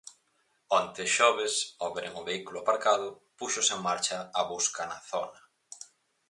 Onte, xoves, ao veren o vehículo aparcado, púxose en marcha a busca na zona.